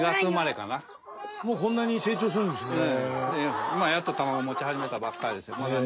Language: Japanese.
もうこんなに成長するんですね。